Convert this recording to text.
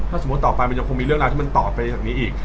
ถ้าสมมุติต่อไปมันยังคงมีเรื่องราวที่มันต่อไปจากนี้อีก